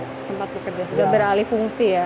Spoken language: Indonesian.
sudah beralih fungsi ya